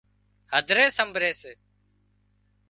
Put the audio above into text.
هڌري سمڀري سي